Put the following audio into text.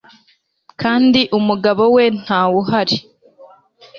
kandi umugabo we ntawuhari